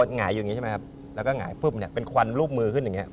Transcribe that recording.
หงายอยู่อย่างนี้ใช่ไหมครับแล้วก็หงายปุ๊บเนี่ยเป็นควันรูปมือขึ้นอย่างเงี้